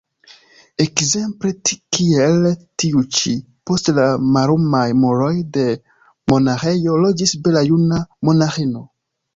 Ekzemple kiel tiu ĉi: post la mallumaj muroj de monaĥejo loĝis bela juna monaĥino.